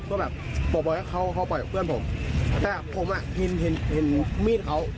ก็แบบปลดปล่อยให้เขาเขาปล่อยเพื่อนผมแต่ผมอ่ะเห็นเห็นมีดเขา